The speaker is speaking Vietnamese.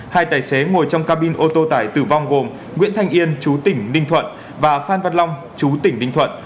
hai tài xế ngồi trong cabin ô tô tải tử vong gồm nguyễn thanh yên chú tỉnh ninh thuận và phan văn long chú tỉnh ninh thuận